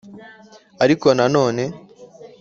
ariko nanone